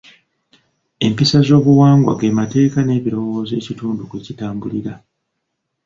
Empisa z'obuwangwa g'emateeka n'ebirowoozo ekitundu kwe kitambulira.